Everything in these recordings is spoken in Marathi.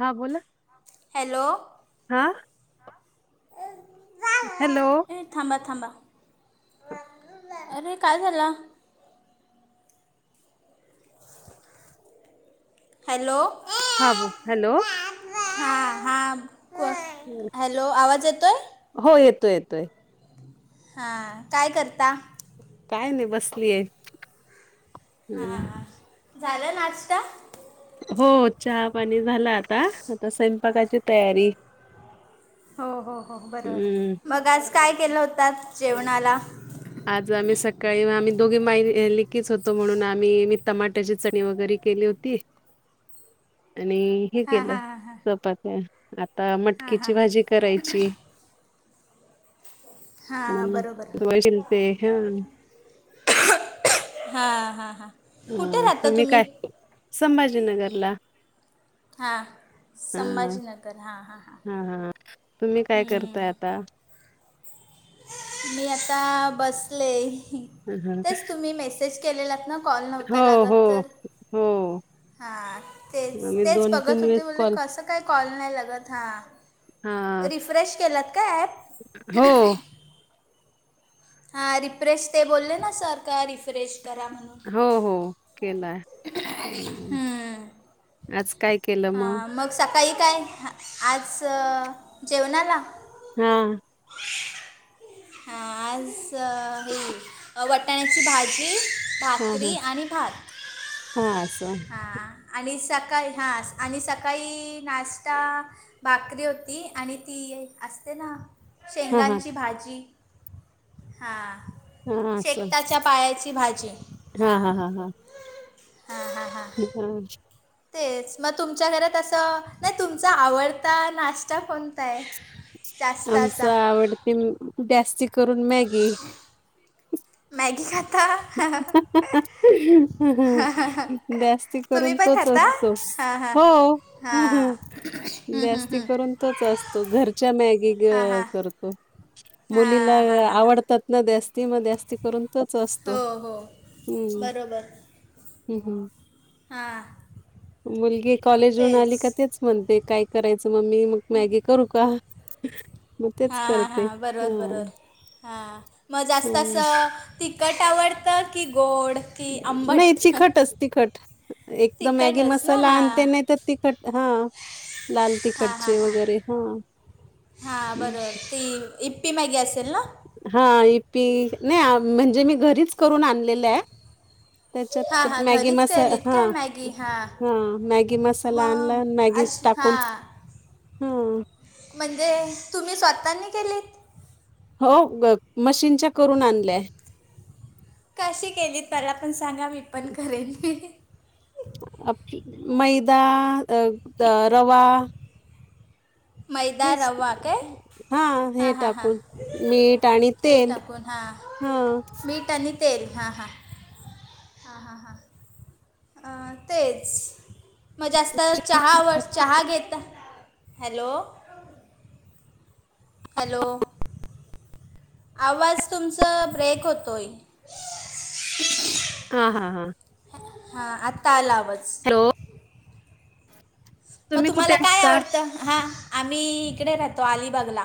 हा बोला. हॅलो. हा. हॅलो. थांबा, थांबा अरे काय झालं? हॅलो. हा बोल हॅलो. हा हा कोण, हॅलो आवाज येतोय? हो येतोय, येतोय. हां काय करता? काय नाही बसलीय हम्म. झालं नाष्टा? हो चहा पाणी झालं आता आता स्वयंपाकाची तयारी. हो हो हो, हम्म. बरोबर मग आज काय केलं होतं जेवणाला. आज आम्ही सकाळी आम्ही दोघी लिकीच होतो म्हणून आम्ही मी टमाट्याची चटणी वगैरे केली होती. आणि हे हां केलं हां हां हां चपात्या. आता मटकीची भाजी करायची. हां बरोबर ह ते हा [inaudible] हा हा हा, हा तुम्ही काय संभाजीनगर ला. हां, संभाजीनगर हा हा हा तुम्ही काय करताय हम्म. आता मी आता बसलेय ह तेच तुम्ही मेसे''--'' सेज केलेलात ना कॉल हो, नव्हता लागत हो, तर. हो. हा तेच आम्ही तेच बघत वेळेस होते म्हणले कॉल कस. काही कॉल नाही लगत हा हां. रिफ्रेश केलात का ऍप. हो, हा रिफ्रेश ते बोलले ना सर का रिफ्रेश करा म्हणून. हो हो, केलाय आज काय केलं मग. सकाळी काय आज जेवणाला. हा, हा आज हे वटाण्याची भाजी. हां, भाकरी हां. आणि भात हां, असं. हा. आणि सकाळी हा आणि सकाळी नाश्ता. भाकरी होती आणि ती असते ना. हां, हां. शेंगांची भाजी हा. हां, असं. शेकताच्या पायाची भाजी हां, हा. हम्म [inaudible] तेच मग तुमच्या घरात असं नाही तुमचा आवडता नाश्ता कोणता आहे. त्यास. च आवडते म जास्ती करून मॅगी. मॅगी खाता जास्ती. तुम्ही करून पण तोच खाता असतो हां हां हो अ हं हां हं, हं, जास्ती हं. करून. तोच असतो घरच्या मॅगी ग हां हां करतो मुलीला हां हां अ हां हां आवडता त. नद्यासनी मग जास्ती करून तोच असतो. हो हो, हम्म बरोबर हम्म हम्म. हा, मुलगी कॉलेज वरुन आली का तेच. म्हणते काय करायचं मम्मी मग मॅगी करू का. मग तेच हां हां करते हां, हा बरोबर बरोबर हां मग जास्त हा असं. तिखट आवडतं की गोड. की नाही आंबट तिखटच तिखट. एकदम मॅगी तिखटच ना मसाला आणते हां नाही तर तीखट हा. लाल तिखटची वगैरे हा. हा बरोबर ती इप्पी मॅगी असेल ना. हा इपी नाही आ म्हणजे मी घरीच करून आणलेलं हाय. हां त्याच्यात हां मॅगी घरीच मसा केलीत हा, काय मॅगी हां हा, मॅगी मसाला आणला. मॅगी हा. म्हणजे, तुम्ही स्वतःनी केली. हो. ग मशीनच्या करून आणल्याय. कशी केलीत? मला पण सांगा. मी पण करेन. [unintelligible] अ मैदा, अ द रवा मैदा, हेच रवा काय? हा, हे हां हां हां टाकून. मीठ आणि तेल. हा. मीट आनी तेल. हां- हां. हां, हां, हां. हा, तेच. मग जास्त चहावर. चहा घे हॅलो. हॅलो. आवाज तुमचं, ब्रेक होतोय. हा, हा, हा. हा, आता आला आवाज. हॅलो. मग, तुम्ही कुठे तुम्हाला काय असता? आवडत? हा, आम्ही इकडे राहतो. अलिबागला.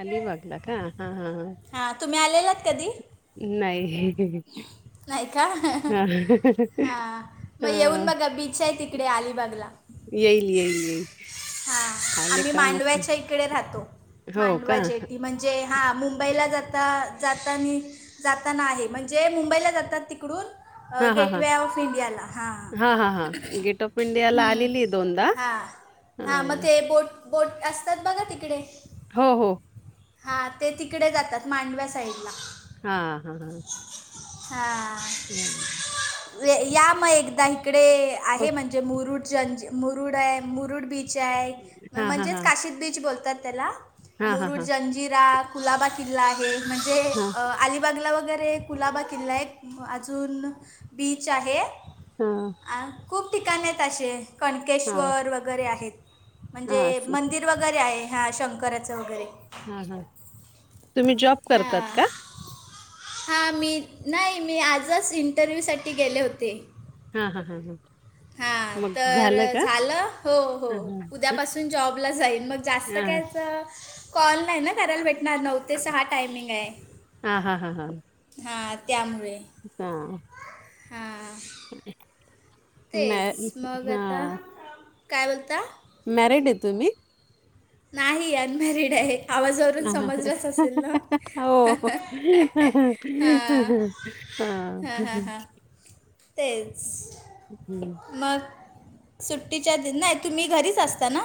अलिबागला का? हा, हा, ह. हां. तुम्ही, आलेलात कधी? नाही. [unintelligible] नाही का? [unintelligible] हा, हा मग येऊन हा बघा. बीचाय तिकडे अलिबागला. येईल, येईल, येईल. ह. आले आम्ही का मग ते. मांडव्याच्या इकडे राहतो. हो का मांडवा जेली. म्हणजे, हां. मुंबईला जाता - जातानी, जाताना आहे. म्हण जे, मुंबईला जातात तिकडून. अ हा हा गेट हा व ऑफ इंडियाला. [unintelligible] हा. हा हा गेट ऑफ इंडियाला ह. आलेली दोनदा हा. हा मग ते, बोट - बोट असतात बघा, तिकडे. हो, हो. हा, ते तिकडे जातात. मांडव्या साईडला. हा, हा, हा. हा. [unintelligible] या म एकदा इकडे. ओ. आहे म्हणजे मुरुडं जंजिर मुरुडय. मुरुड बीचय. हा हा म्हणजेच, हा काशीद बीच बोलतात त्याला. हां, हां, मुरुड हां. जंजिरा. कुलाबा किल्ला आहे. म्हणजे हां, अ अलिबा बागला वगैरे. कुलाबा किल्ला एक. अजून, बीच आहे. ह. खूप ठिकाण आहेत असे. हां, कणकेश्वर वगैरे आहेत. म्हणजे हां, असं. मंदिर वगैरे आहे. हा, शंकराचं वगैरे. हा, हा. तुम्ही जॉब हां करतात का? हां. मी, नाही. मी आजच इंटरव्ह्यूसाठी गेले होते. हा, हा, हा, हा. हां, तर झालं. हो, हो. हां, हां. उद्यापासून जॉबला जाईन. मग जास्त काय हां. अस कॉल नाही ना करायला भेटणार? नऊ ते सहा टायमिंग हाय. हां, हां, हा त्यामुळे. हा. हा. ह [inaudible] तेच मग आता, काय बोलता? मॅरेड ए तुम्ही? नाही अनमॅरिड हाय. हो. हां, हा. हां, हां, हां. [inaudible] तेच मग सुट्टीच्या दि नाही तुम्ही घरीच असता ना?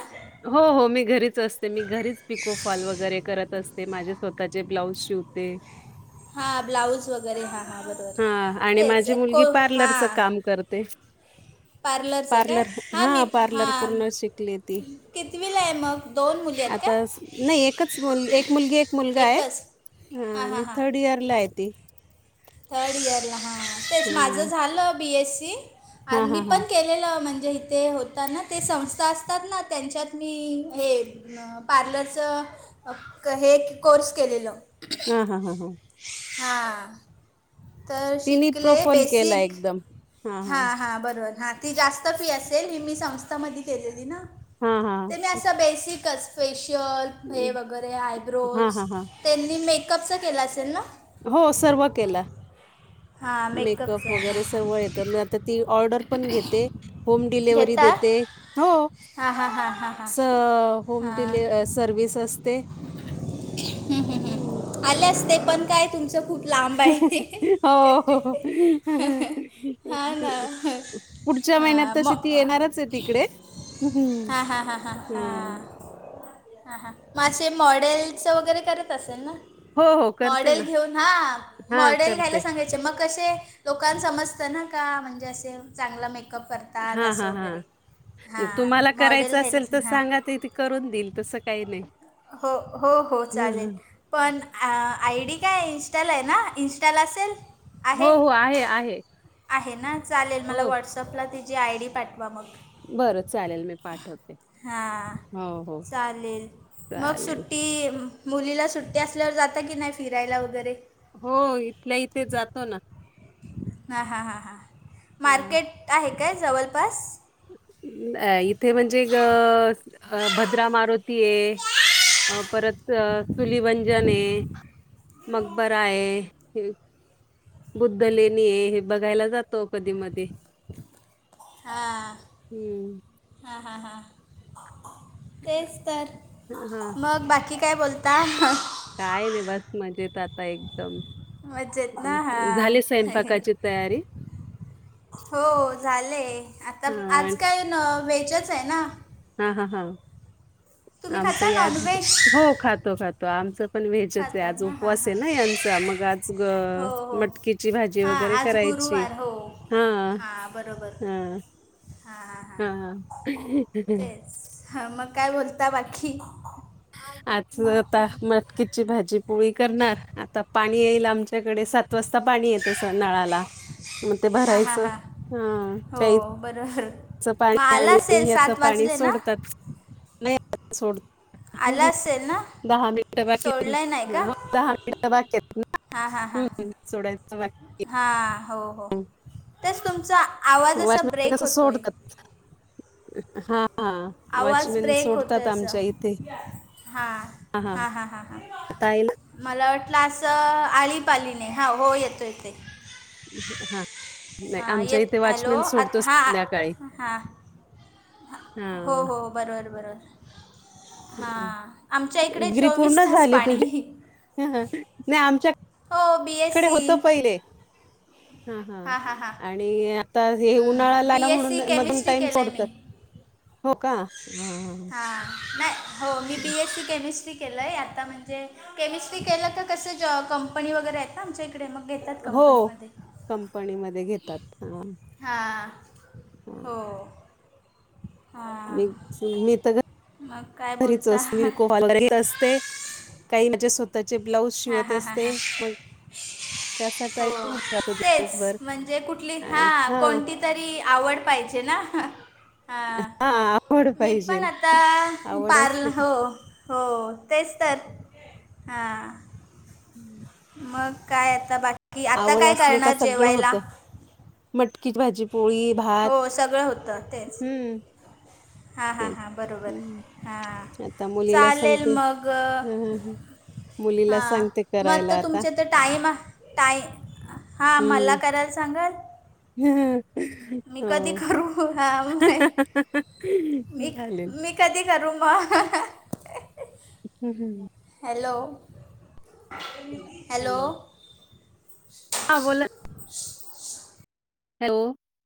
हो हो मी घरीच असते. मी घरीच पिकोफॉल वगैरे करत असते. माझे स्वतःचे ब्लाउज शिवते. हा ब्लाऊज वगैरे हा हा बर. हा आणि माझी मुलगी पार्लरच हां. काम करते. पार्लरचं काय पार्लर, हां हा मी पार्लर हां पूर्ण शिकलिये ती. कितवीला आहे मग दोन मुली आहेत आता का स नाही, एकच मुल एक मुलगी, एक मुलगा हाय. एकच हा हां हां आणि हां थर्ड इयर ला हाय ती. थर्ड इयरला हां. तेच हा माझं झालं बी एस सी. आर हा मी हा हा पण केलेलं म्हणजे इ ते होता ना ते संस्था असतात ना, त्यांच्यात मी हे अ पार्लरच हे कोर्स केललो. हा हा हा हा. हां. तर तिने शिकले प्रोपोल केला बेसिक, एकदम हा हा हां हां. बरोबर हां. ती जास्त फी असेल, ही मी संस्थामध्ये केलेली ना, हा हा ते मी असं बेसिकच फेशियल हे वगैरे हा आयब्रोज, हा हा त्यांनी मेकअपचा केला असेल ना? हो. सर्व केला. हां मेकअप मेकअपचं वगैरे हां सर्व हां येतं, मग आता ती ऑर्डर पण घेते. होम डिलिव्हरी घेता देते. हो हां हां हां हां हां स होम डिली सर्विस असते. हू हम्म हू आले असते, पण काय तुमचं खूप बाय, हो. हा ना? पुढच्या आ महिन्यात म. तशी ती येणारच आहे तिकडे. हां. हा हा हा हा हा. हा हा. मग असं मॉडेलच वगैरे करत असेल ना? हो, हो करते मॉडेल ना. घेऊन हा. हां, मॉडेल घ्यायला करते. सांगायच. च म कसे लोकां समजत ना का? म्हणजे असे चांगला मेक अप करतात हां, असं हां, हां. वगैरे. तुम्हाला हां मॉडेल करायचं घ्यायला असेल सांग तर, हां सांगा ती तिक करून देईल तसं काही नाही. हो हो हो हं, चालेल. हं. पण आ आय डी काय हाय? इनस्टाला हाय ना? इनस्टाला असेल हो हो. आहे आहे. आहे ना? चालेल मला हो. व्हॉट्सअपला तिची आय डी पाठवा म. बरं चालेल मी पाठवते. हां हो, हो. चालेल मग चालेल. सुट्टी मुलीला सुट्टी असल्यावर जाता की नाही फिरायला वगैरे? हो इथल्या इथे जातो ना. हा हा हा हा हां. मार्केट आहे काय जवळपास? अ इथे म्हणजे गस अ भद्रा मारुती आहे. अ परत तुली वंजन आहे, मकबरा आहे बुद्धलेनी आहे हे बघायला जातो कधी मध्ये. हां हम्म हां हां हां. तेच तर हा मग बाकी काय बोलता? काय नाय बस मज्जेत आता एकदम. मजेत ना झाले हां स्वयंपाकाची तयारी? हो झालेय आता हा आज काय न वेजच आहे ना. हा हा हा तुम्ही आमचं खाता या नॉनव्हेज हो खातो-खातो आमचं पण वेजच खातात आज ना हां उपवास हां आहे ना यांचा मग आज हो गं हो मटकीची भा जी वगैरे करायची. हा हा बरोबर. हा हां हा. हा मग काय बोलता बाकी? आज आता मटकीची भाजी पोळी करणार आता पाणी येईल आमच्याकडे सात वाजता पाणी येतं स नळाला मग ते हां हां भरायचं हां ह हो प्याय बरोबर म आला असेल ह्याच सात पाणी वाजले ना. सोडतात आला असेल [unintelligible] ना दहा मिनिटं बाकी दहा आहेत सोडलाय नाही ना का हा दहा मिनिट बाकी आहेत ना. हां हां हां हम्म सोडायचं. [unintelligible] हां हो हो तेच तुमचा आवाज असा वॉचमॅन ब्रेक कसं होतोय. सोडतात हा आवाज वॉचमॅन सोडताात आमच्या इथे. हा हा हा हा हा. आता येईल मला वाटलं असा आळीपालीने हा हो येतो येते. हा नाही हां आमच्या येत इथे हॅलो वॉचमॅन सोडतो आत- हां संध्याकाळी. हां हा हो हो बरोबर बरोबर. हा हं. आमच्या इकडे डिग्री पूर्ण चोवीस तास झाली पाणी. तुझी? नाही हो बी एस आमच्याकडे सी होतं पहिले हा हा हां हां हां आणि ता हे बी उन्हाळाला एस म्हणून सी मधून केमिस्ट्री टाइम केलं आहे सोडतं मी हो का हा हा हा. हा नाही हो मी बी एस सी केमिस्ट्री केलंय आता म्हणजे केमिस्ट्री केलं का जॉ कसं कंपनी वगैरे येता आमच्या इ कडे मग घेतात. हो कंपनीमध्ये कंपनीमध्ये घेतात हा. हां हो. हां मी मी तर मग काय घ घरीच बोलता हां [unintelligible] असते. काही माझे स्वतःचे ब्लाऊज शिवत हां हां असते हां मग असा टाईम हो निघून जातो तेच दिवसभर. म्हणजे कुठली हा आणि हां कोणती तरी आवड पाहिजे ना. हा हां आवड मी पण पाहिजेल. आता आवड पारल असली की हो. हो तेच तर हा हम्म मग काय आता बाकी आता काय करणार जेवायला मटकीत भाजी पोळी हो भात सगळं होतं तेच हम्म हां हां तेच. हां बरोबर हम्म हा आता मुलीला चालेल सांगते मग ह ह ह मुलीला हा सांगते मग आता करायला तुमचे आता तुमच तर टाईम टाई हा मला करायला सांगाल ह मी हो कधी करू हां मी ह-ह-ह-ह चालेल मी कधी करू म ह-ह-ह हम् हम हॅलो हॅलो हा बोला हॅलो